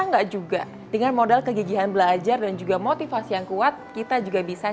enggak juga dengan modal kegigihan belajar dan juga motivasi yang kuat kita juga bisa